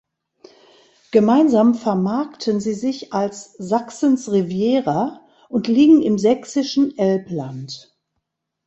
Gemeinsam vermarkten sie sich als „Sachsens Riviera“ und liegen im Sächsischen Elbland.